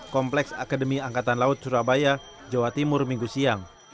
kompleks akademi angkatan laut surabaya jawa timur minggu siang